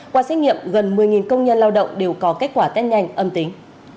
qua xét nghiệm gần một mươi công nhân lao động đều có kết quả test nhanh âm tính